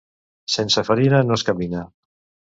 Sense farina no es camina.